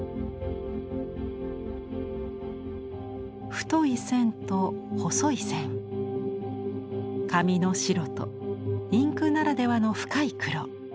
太い線と細い線紙の白とインクならではの深い黒。